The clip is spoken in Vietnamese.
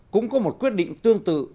cũng có một quyết định tương tự